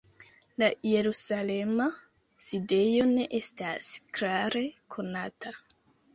La jerusalema sidejo ne estas klare konata.